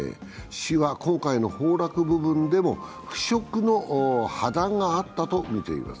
市は今回の崩落部分でも腐食の破断があったとみています。